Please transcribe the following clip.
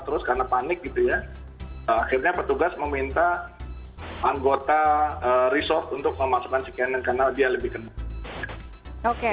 terus karena panik gitu ya akhirnya petugas meminta anggota resort untuk memasukkan si cannon karena dia lebih kenal